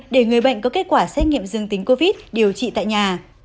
để người bệnh có kết quả xét nghiệm dương tính covid điều trị tại nhà